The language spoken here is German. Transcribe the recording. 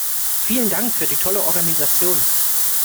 Vielen Dank für die tolle Organisation.